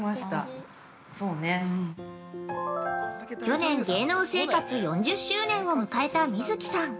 ◆去年芸能生活４０周年を迎えた観月さん